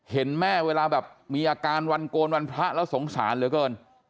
เห็นแม่เวลาแบบมีอาการวันโกนวันพระแล้วสงสารเหลือเกิน